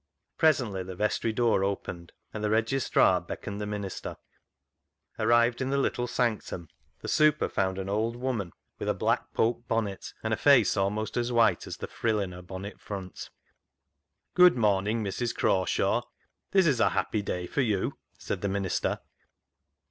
Presently the vestry door opened, and the registrar beckoned the minister. Arrived in the little sanctum, the " super " found an old woman with a black poke bonnet, and a face almost as white as the frill in her bonnet front. " Good morning, Mrs. Crawshaw ; this is a happy day for you," said the minister.